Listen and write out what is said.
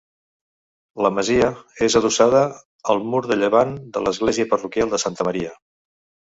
La masia és adossada al mur de llevant de l'església parroquial de Santa Maria.